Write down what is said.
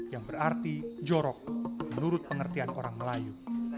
yang berarti jorok menurut pengertian orang melayu